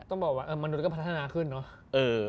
ต้องบอกว่ามนุษย์ก็พัฒนาขึ้นเนอะ